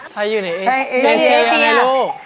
ไทยอยู่ในเอเชียยังไงลูก